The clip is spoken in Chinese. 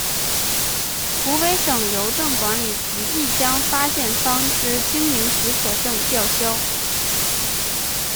湖北省邮政管理局亦将发件方之经营许可证吊销。